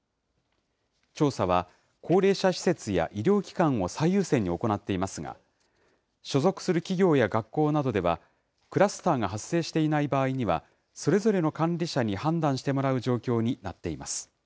調査は、高齢者施設や医療機関を最優先に行っていますが、所属する企業や学校などでは、クラスターが発生していない場合には、それぞれの管理者に判断してもらう状況になっています。